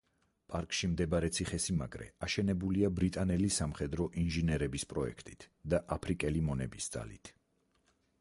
პარკში მდებარე ციხესიმაგრე აშენებულია ბრიტანელი სამხედრო ინჟინერების პროექტით და აფრიკელი მონების ძალით.